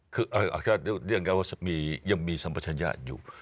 คือเรียกได้ว่ายังมีสัมปชัญญะอยู่